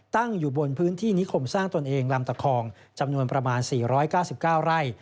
ตั้งอยู่บนพื้นที่นิคมสร้างตนเองลำตะคองจำนวนประมาณ๔๙๙ไร่